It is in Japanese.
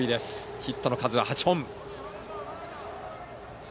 ヒットの数は８本。